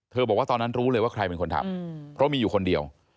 บอกว่าตอนนั้นรู้เลยว่าใครเป็นคนทำเพราะมีอยู่คนเดียว